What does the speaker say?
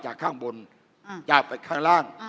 ข้างบนจากไปข้างล่าง